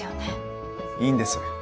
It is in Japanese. いいんです。